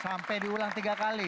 sampai diulang tiga kali